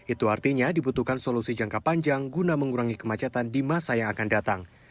itu artinya dibutuhkan solusi jangka panjang guna mengurangi kemacetan di masa yang akan datang